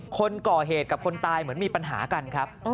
คนก่อเหตุกับคนตายเหมือนมีปัญหากันครับ